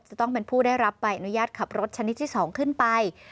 จะต้องเป็นผู้ได้รับใบอนุญาตขับรถชนิดที่๒ขึ้นไป